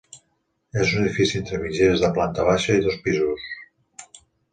És un edifici entre mitgeres de planta baixa i dos pisos.